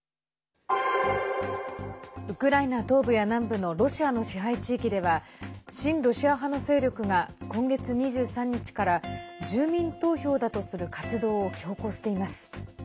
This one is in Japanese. ウクライナ東部や南部のロシアの支配地域では親ロシア派の勢力が今月２３日から住民投票だとする活動を強行しています。